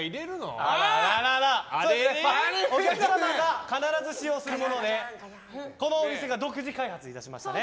お客様が必ず使用するものでこのお店が独自開発しましたね。